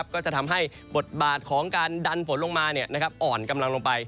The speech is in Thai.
ก็จะทำให้บทบาทของการดันฝนลงมาอ่อนกำลังลงไป